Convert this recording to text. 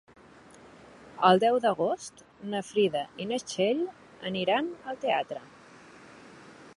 El deu d'agost na Frida i na Txell aniran al teatre.